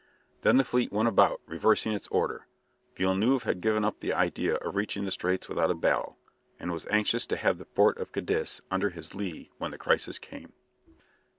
Then the fleet went about, reversing its order. Villeneuve had given up the idea of reaching the Straits without a battle, and was anxious to have the port of Cadiz under his lee when the crisis came.